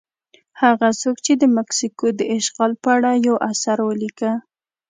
هغه څوک چې د مکسیکو د اشغال په اړه یو اثر ولیکه.